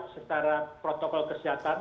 setara protokol kesehatan